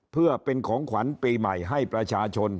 เพื่อเป็นของขวัญปีใหม่ให้ประชาชน